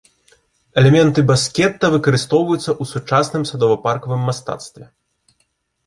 Элементы баскета выкарыстоўваюцца ў сучасным садова-паркавым мастацтве.